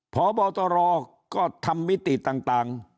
พบตรก็ทำมิติต่าง